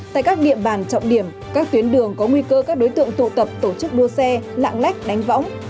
tại các địa bàn trọng điểm các tuyến đường có nguy cơ các đối tượng tụ tập tổ chức đua xe lạng lách đánh võng